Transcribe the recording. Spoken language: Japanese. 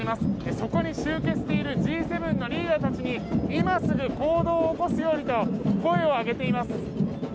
そこに集結しているＧ７のリーダーたちに今すぐ行動を起こすようにと声を上げています。